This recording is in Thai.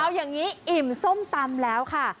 เอาอย่างนี้อิ่มส้มตำแล้วค่ะ